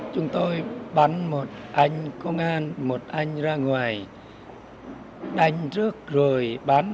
chúng tôi bắn một anh công an một anh ra ngoài đánh trước rồi bắn